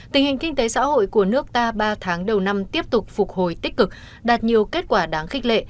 tình hình kinh tế xã hội của nước ta ba tháng đầu năm tiếp tục phục hồi tích cực đạt nhiều kết quả đáng khích lệ